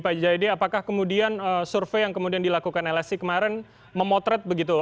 pak jayadi apakah kemudian survei yang kemudian dilakukan lsi kemarin memotret begitu